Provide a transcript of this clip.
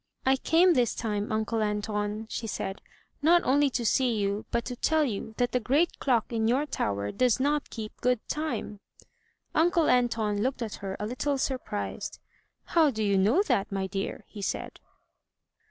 "I came this time. Uncle Anton," she said, "not only to see you, but to tell you that the great clock in your tower does not keep good time." Uncle Anton looked at her a little surprised. "How do you know that, my dear?" he said.